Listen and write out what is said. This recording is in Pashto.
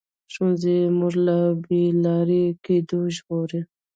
ښوونځی موږ له بې لارې کېدو ژغوري